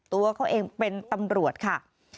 ตัวเขาเองเป็นตำรวจค่ะ